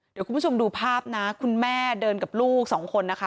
เดี๋ยวคุณผู้ชมดูภาพนะคุณแม่เดินกับลูกสองคนนะคะ